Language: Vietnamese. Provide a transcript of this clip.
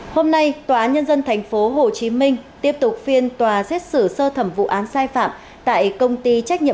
hôm nay tòa án nhân dân tp hcm tiếp tục phiên tòa xét xử sơ thẩm vụ án sai phạm tại công ty trách nhiệm